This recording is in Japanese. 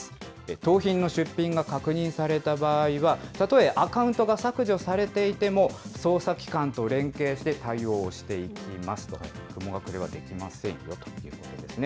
盗品の出品が確認された場合は、たとえアカウントが削除されていても、捜査機関と連携して対応していきますと、雲隠れはできませんよということですね。